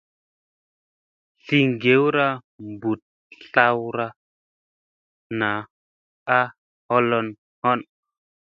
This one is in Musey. Sii ŋgewra mbuɗ tlawra naa a holhon.